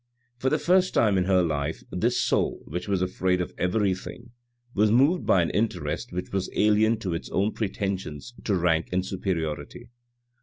For the first time in her life this soul, which was afraid of everything, was moved by an interest which was alien to its own pretensions to rank and superiority.